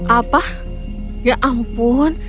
apa ya ampun